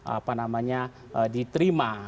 apa namanya diterima